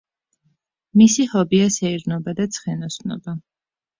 მისი ჰობია სეირნობა და ცხენოსნობა.